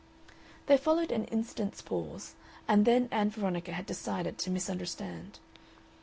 There followed an instant's pause, and then Ann Veronica had decided to misunderstand.